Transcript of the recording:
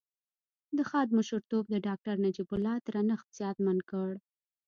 د خاد مشرتوب د داکتر نجيب الله درنښت زیانمن کړ